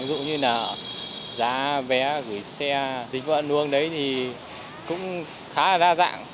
ví dụ như là giá vé gửi xe tính ăn nuông đấy thì cũng khá là đa dạng